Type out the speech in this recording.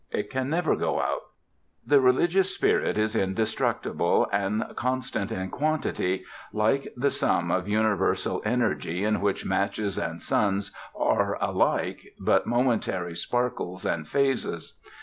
It can never go out. The religious spirit is indestructible and constant in quantity like the sum of universal energy in which matches and suns are alike but momentary sparkles and phases.